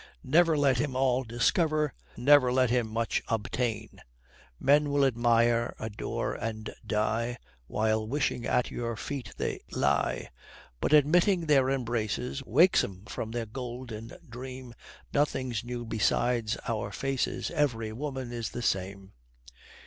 Never let him all discover, Never let him much obtain. Men will admire, adore and die While wishing at your feet they lie; But admitting their embraces Wakes 'em from the golden dream: Nothing's new besides our faces, Every woman is the same."